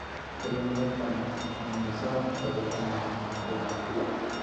Se denomina Camafeo Gonzaga por haber pertenecido al duque de Mantua.